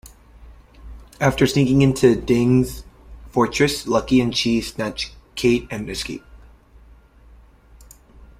After sneaking into Deng's fortress, Lucky and Chi snatch Kate and escape.